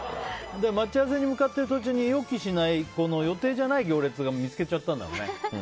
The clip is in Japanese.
待ち合わせ向かっている途中に予期しない予定じゃない行列を見つけちゃったんだろうね。